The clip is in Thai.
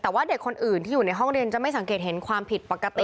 แต่ว่าเด็กคนอื่นที่อยู่ในห้องเรียนจะไม่สังเกตเห็นความผิดปกติ